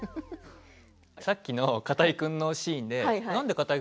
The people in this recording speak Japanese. さっきの片居君のシーンで何で片居君